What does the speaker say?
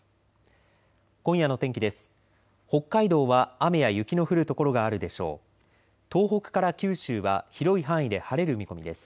今夜の天気です。